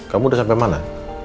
kamu udah sampe mana